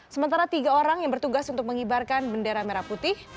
sementara tiga orang yang bertugas untuk mengibarkan bendera merah putih